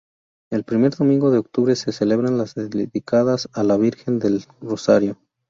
El primer domingo de octubre se celebran las dedicadas a la virgen del Rosario.